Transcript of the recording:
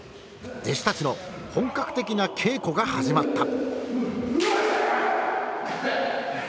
弟子たちの本格的な稽古が始まった。